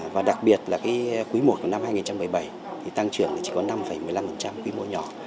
và đặc biệt là quý i của năm hai nghìn một mươi bảy thì tăng trưởng chỉ có năm một mươi năm quy mô nhỏ